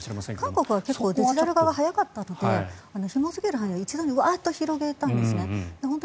韓国は結構デジタル化が早かったのでひも付ける範囲を一度にワーッと広げたんですね。